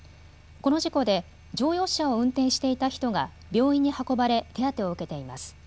この事故で乗用車を運転していた人が病院に運ばれ手当てを受けています。